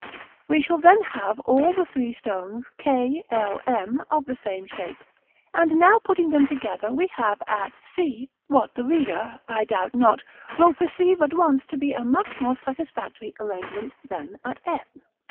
We shall then have all the three stones k, l, m, of the same shape; and now putting them together, we have, at C, what the reader, I doubt not, will perceive at once to be a much more satisfactory arrangement than that at f.